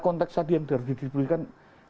konteks tadi yang sudah diperlukan